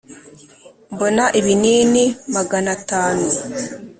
mbona ibinini magana atanu